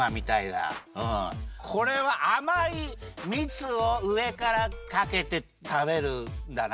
これはあまいみつをうえからかけてたべるんだな